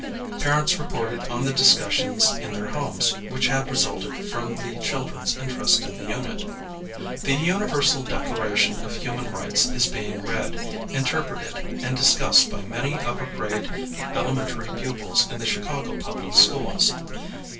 Parents reported on the discussions in their homes which had resulted from the children's interest in the unit. *┬╗ ŌÖ" The Universal Declaration of Human Rights is being read, interpreted, and discussed by many upper grade elementary pupils in the Chicago Public Schools.